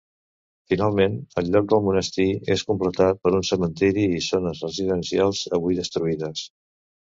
Finalment, el lloc del monestir és completat per un cementiri i zones residencials, avui destruïdes.